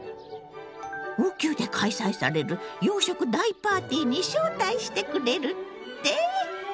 王宮で開催される洋食大パーティーに招待してくれるって？